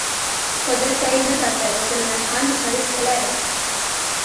خو ده ته یې نه کتل، زلمی خان د فرید خولۍ.